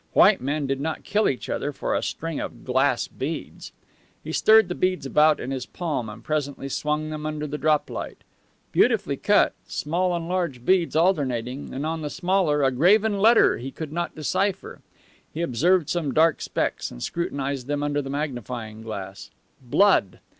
White men did not kill each other for a string of glass beads. He stirred the beads about on his palm, and presently swung them under the droplight. Beautifully cut, small and large beads alternating, and on the smaller a graven letter he could not decipher. He observed some dark specks, and scrutinized them under the magnifying glass. Blood!